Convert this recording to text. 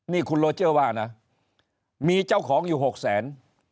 นี่คุณโลเจอร์ว่านะมีเจ้าของอยู่๖แสน